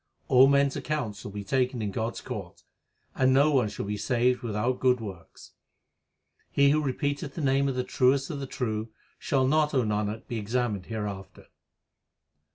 All men s accounts shall be taken in God s court ; And no one shall be saved without good works. He who repeateth the name of the Truest of the true, Shall not, O Nanak, be examined hereafter.